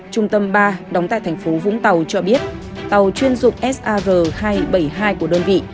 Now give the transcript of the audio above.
trung tâm ba đóng tại thành phố vũng tàu cho biết tàu chuyên dụng sar hai trăm bảy mươi hai của đơn vị